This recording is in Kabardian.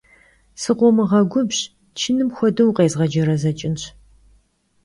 Skhomğegubj, çınım xuedeu vukhêzğecerezeç'ınş!